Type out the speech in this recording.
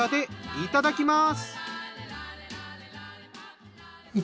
いただきます。